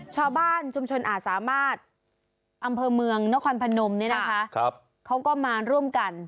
ชาวบ้านชุมชนอาจสามารถอำเภอเมืองนครพนมเนี่ยนะคะเขาก็มาร่วมกัน